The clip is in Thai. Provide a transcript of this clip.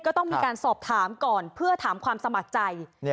ก็ต้องมีการสอบถามก่อนเพื่อถามความสมัครใจ